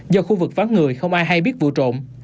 do khu vực vắng người không ai hay biết vụ trộm